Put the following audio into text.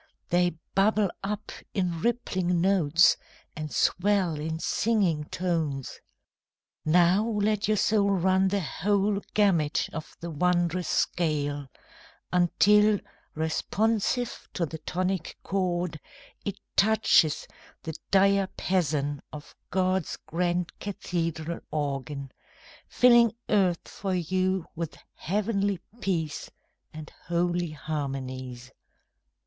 They bubble up in rippling notes, and swell in singing tones. Now let your soul run the whole gamut of the wondrous scale Until, responsive to the tonic chord, It touches the diapason of God's grand cathedral organ, Filling earth for you with heavenly peace And holy harmonies.